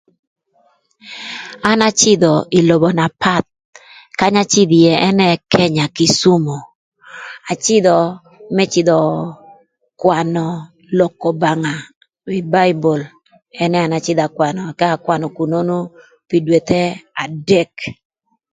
An acïdhö ï lobo na path, kanya acïdhö ïë ënë Kenya Kicumu, acïdhö më cïdhö kwanö lok k'Obanga kï ï baibol ënë an acïdhö akwanö ëka akwanö künön pï dwethe adek.